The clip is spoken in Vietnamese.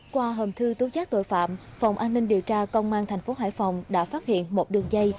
qua hầm thư tố giác tội phạm phòng an ninh điều tra công an thành phố hải phòng đã phát hiện một đường dây